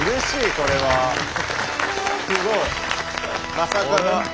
まさかの。